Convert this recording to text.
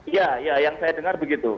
iya ya yang saya dengar begitu